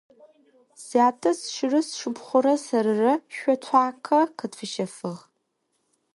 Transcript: Сятэ сшырэ сшыпхъурэ сэрырэ шъо цуакъэ къытфищэфыгъ.